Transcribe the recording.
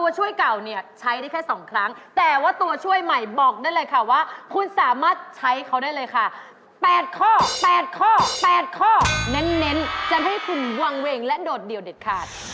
จะไม่ให้คุณวังเวงและโดดเดี่ยวเด็ดขาด